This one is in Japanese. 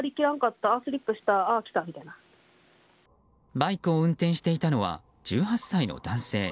バイクを運転していたのは１８歳の男性。